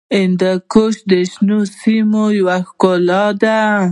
هندوکش د شنو سیمو یوه ښکلا ده.